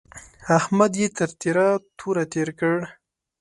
احمد يې تر تېره توره تېر کړ.